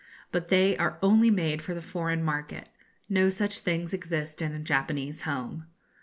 But they are only made for the foreign market. No such things exist in a Japanese home.